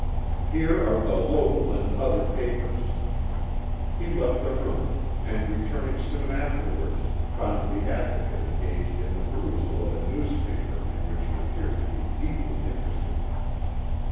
Here are the local and other papers." He left the room, and returning soon afterwards found the Advocate engaged in the perusal of a newspaper in which he appeared to be deeply interested.